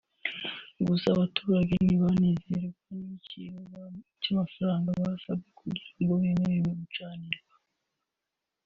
gusa abaturage ntibanyuzwe n’igiciro cy’amafaranga basabwa kugira ngo bemererwe gucanirwa